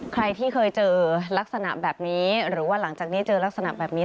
ใครที่เคยเจอลักษณะแบบนี้หรือว่าหลังจากนี้เจอลักษณะแบบนี้